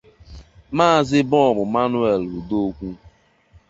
Maazị Bob-Manuel Udokwu